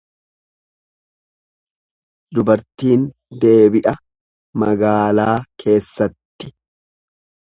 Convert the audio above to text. Dubartiin deebi'a magaalaa keessatti.